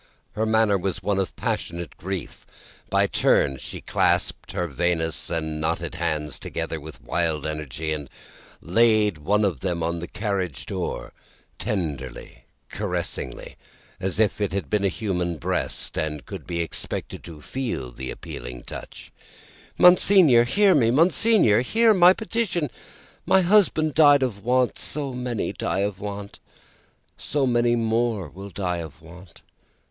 Her manner was one of passionate grief; by turns she clasped her veinous and knotted hands together with wild energy, and laid one of them on the carriage door tenderly, caressingly, as if it had been a human breast, and could be expected to feel the appealing touch. "Monseigneur, hear me! Monseigneur, hear my petition! My husband died of want; so many die of want; so many more will die of want."